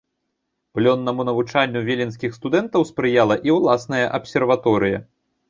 Плённаму навучанню віленскіх студэнтаў спрыяла і ўласная абсерваторыя.